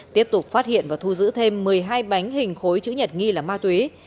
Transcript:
tiếp tục phát hiện và thu giữ thêm một mươi hai bánh hình khối chữ nhật nghi là ma túy